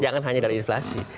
jangan hanya dari inflasi